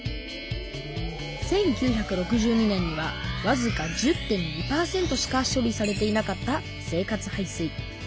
１９６２年にはわずか１０．２％しか処理されていなかった生活排水。